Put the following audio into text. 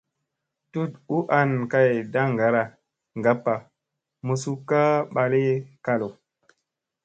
Tut u an kay ndaŋgara ngappa muzukka ɓali kalu.